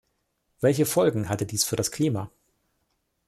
Welche Folgen hatte dies für das Klima?